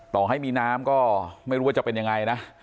ต่อให้มีน้ำก็ไม่รู้ว่าจะเป็นยังไงนะ